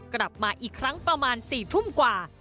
กลับมาอีกครั้งประมาณ๔ทุ่มกว่า